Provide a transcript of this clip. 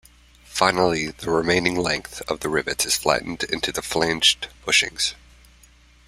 Finally the remaining length of the rivets is flattened into the flanged bushings.